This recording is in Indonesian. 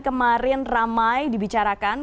kemarin ramai dibicarakan